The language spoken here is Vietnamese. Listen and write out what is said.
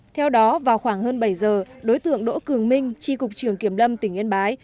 theo đó vào khoảng hơn bảy giờ đối tượng đỗ cường minh tri cục trường kiểm lâm tỉnh yên bái